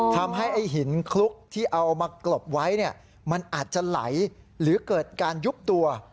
ทำให้ไอ้หินคลุกที่เอามากลบไว้มันอาจจะไหลหรือเกิดการยุบตัว